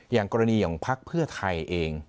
อย่างกรณีของพักเพื่อไทยเอง